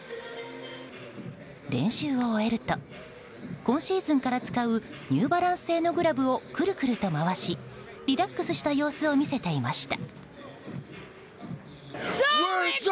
練習を終えると今シーズンから使うニューバランス製のグラブをくるくると回しリラックスした様子を見せていました。